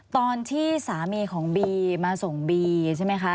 ตอนที่สามีของบีมาส่งบีใช่ไหมคะ